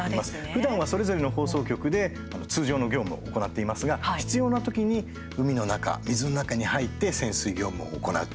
ふだんはそれぞれの放送局で通常の業務を行っていますが必要な時に海の中、水の中に入って潜水業務を行う。